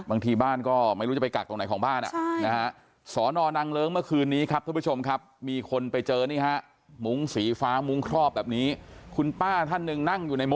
บางทีบ้านก็ไม่รู้จะไปกักตรงไหนของบ้าน